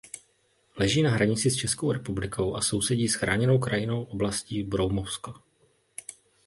Leží na hranici s Českou republikou a sousedí s Chráněnou krajinnou oblastí Broumovsko.